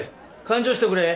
勘定しとくれ。